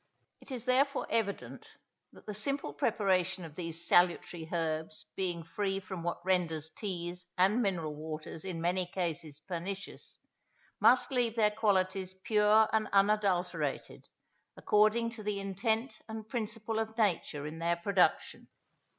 It is therefore evident, that the simple preparation of these salutary herbs being free from what renders teas and mineral waters in many cases pernicious, must leave their qualities pure and unadulterated, according to the intent and principle of nature in their production.